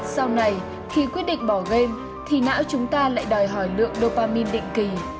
sau này khi quyết định bỏ game thì não chúng ta lại đòi hỏi lượng novamin định kỳ